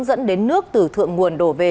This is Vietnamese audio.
dẫn đến nước tử thượng nguồn đổ về